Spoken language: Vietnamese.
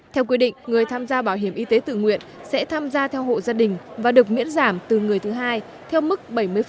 theo quy định người tham gia bảo hiểm y tế tự nguyện sẽ tham gia theo hộ gia đình và được miễn giảm từ người thứ hai theo mức bảy mươi sáu mươi năm mươi bốn mươi